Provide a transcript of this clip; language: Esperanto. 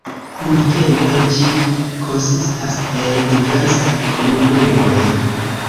Nuntempe ĝi konsistas el diversaj komunumoj.